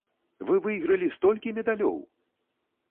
Вы выйгралі столькі медалёў!